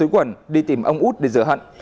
quần đi tìm ông út để rửa hận